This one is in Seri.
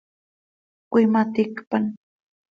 Cöimaticpan.